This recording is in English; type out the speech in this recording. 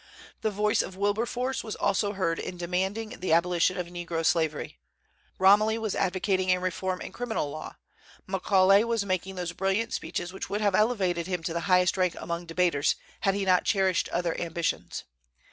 The voice of Wilberforce was also heard in demanding the abolition of negro slavery. Romilly was advocating a reform in criminal law. Macaulay was making those brilliant speeches which would have elevated him to the highest rank among debaters had he not cherished other ambitions.